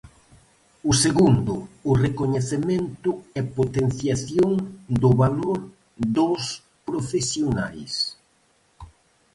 O segundo, o recoñecemento e potenciación do valor dos profesionais.